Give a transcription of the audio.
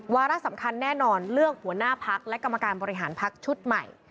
วาระสำคัญแน่นอนเลือกหัวหน้าพักและกรรมการบริหารพักชุดใหม่